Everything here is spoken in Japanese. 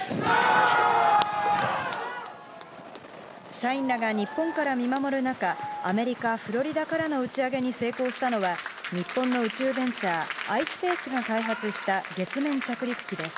社員らが日本から見守る中、アメリカ・フロリダからの打ち上げに成功したのは、日本の宇宙ベンチャー、ｉｓｐａｃｅが開発した月面着陸機です。